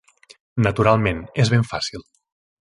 Naturalment, és ben fàcil.